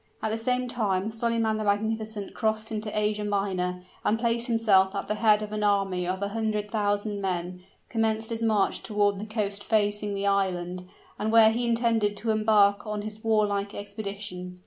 At the same time, Solyman the Magnificent crossed into Asia Minor, and placing himself at the head of an army of a hundred thousand men, commenced his march toward the coast facing the island, and where he intended to embark on his warlike expedition.